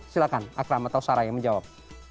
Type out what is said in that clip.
silahkan akram atau sarah yang menjawab